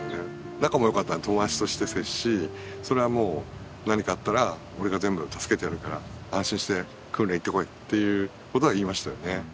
仲もよかったので友達として接しそれはもう「何かあったら俺が全部助けてやるから安心して訓練行ってこい」っていうことは言いましたよね。